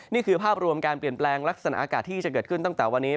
นี่คือภาพรวมการเปลี่ยนแปลงลักษณะอากาศที่จะเกิดขึ้นตั้งแต่วันนี้